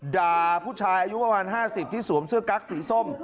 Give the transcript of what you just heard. ด่าผู้ชายอายุประมาณ๕๐ที่สวมเสื้อกั๊กสีส้ม